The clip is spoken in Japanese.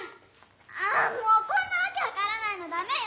あもうこんなわけわからないのだめよ！